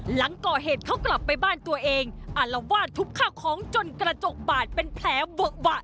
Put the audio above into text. หลังก่อเหตุเขากลับไปบ้านตัวเองอารวาสทุบข้าวของจนกระจกบาดเป็นแผลเวอะวะ